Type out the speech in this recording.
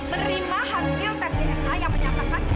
menerima hasil tes dna yang menyatakan